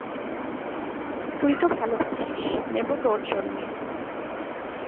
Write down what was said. তুই তো ভালোবাসিস, নেবো তোর জন্যে?